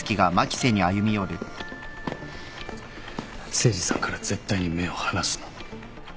誠司さんから絶対に目を離すな。